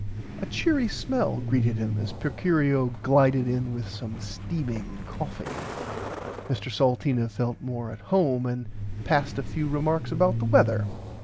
A cheery smell greeted him as Procurio glided in with some steaming coffie. Mr Salteena felt more at home and passed a few remarks about the weather.